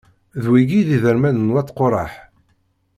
D wigi i d iderman n wat Quṛaḥ.